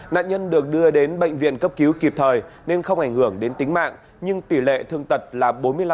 nạn nhân được đưa đến bệnh viện cấp cứu kịp thời nên không ảnh hưởng đến tính mạng nhưng tỷ lệ thương tật là bốn mươi năm